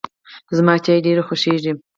زما چای ډېر خوښیږي.